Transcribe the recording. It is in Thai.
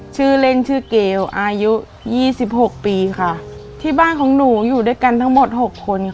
ชื่อเล่นชื่อเกลอายุยี่สิบหกปีค่ะที่บ้านของหนูอยู่ด้วยกันทั้งหมดหกคนค่ะ